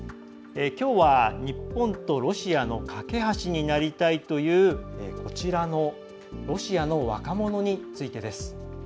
きょうは、日本とロシアの懸け橋になりたいというロシアの若者についてです。